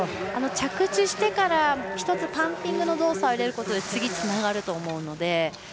着地してから１つパンピングの動作を入れることで次につながると思うので。